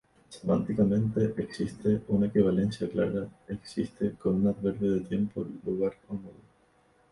Semánticamente existen una equivalencia clara existe con un adverbio de tiempo, lugar o modo.